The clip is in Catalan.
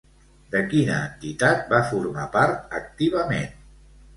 De quina entitat va formar part activament?